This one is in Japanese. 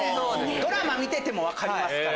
ドラマ見てても分かりますから。